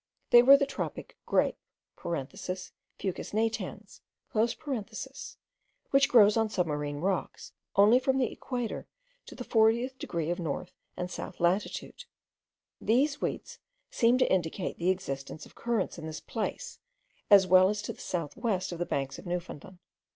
They were the tropic grape, (Fucus natans), which grows on submarine rocks, only from the equator to the fortieth degree of north and south latitude. These weeds seem to indicate the existence of currents in this place, as well as to south west of the banks of Newfoundland.